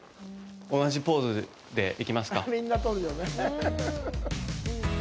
同じポーズでいきますか。